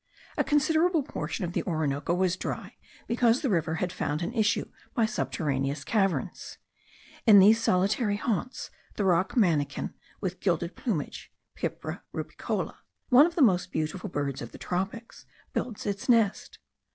A considerable portion of the Orinoco was dry, because the river had found an issue by subterraneous caverns. In these solitary haunts the rock manakin with gilded plumage (Pipra rupicola), one of the most beautiful birds of the tropics, builds its nest.